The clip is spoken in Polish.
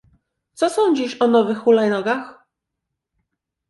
Co sądzisz o nowych hulajnogach?